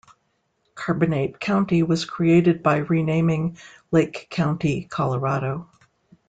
Carbonate County was created by renaming Lake County, Colorado.